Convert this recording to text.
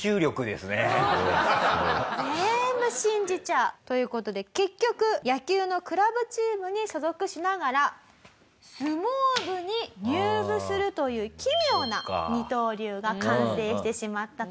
全部信じちゃう。という事で結局野球のクラブチームに所属しながら相撲部に入部するという奇妙な二刀流が完成してしまったと。